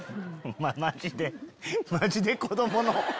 マジでマジで子供の。